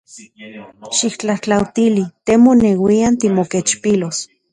Xiktlajtlautili te moneuian timokechpilos.